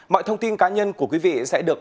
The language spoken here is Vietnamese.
mọi thông tin cá nhân của quý vị sẽ được